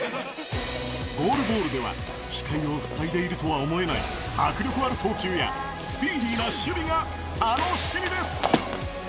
ゴールボールでは、視界を塞いでいるとは思えない迫力ある投球や、スピーディーな守備が楽しみです。